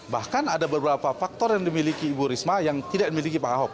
bahkan ada beberapa faktor yang dimiliki ibu risma yang tidak dimiliki pak ahok